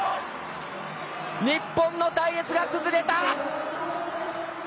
日本の隊列が崩れた！